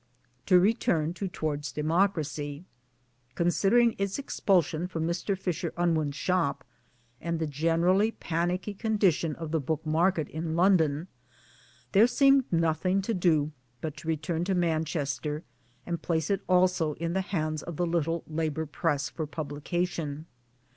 To return to Towards Democracy. Considering its expulsion from Mr. Fisher Unwin's shop and the generally panicky condition of the book market in London, there seemed nothing to do but to return to Manchester and place it also in the hands of the little Labour Press for publication.